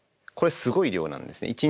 これすごい量なんですね。